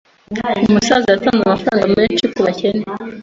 Umusaza yatanze amafaranga menshi kubakene.